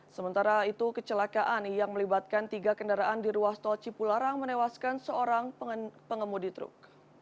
sementara itu kecelakaan yang melibatkan tiga kendaraan di ruas tol cipularang menewaskan seorang pengemudi truk